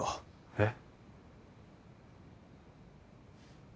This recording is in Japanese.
えっ？